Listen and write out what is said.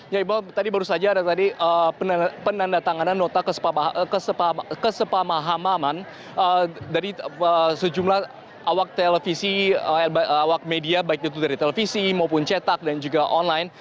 ya iqbal tadi baru saja ada tadi penandatanganan nota kesepamahaman dari sejumlah awak televisi awak media baik itu dari televisi maupun cetak dan juga online